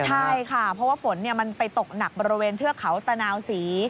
ใช่ค่ะเพราะว่าฝนมันไปตกหนักบริเวณเทือกเขาตะนาวศรี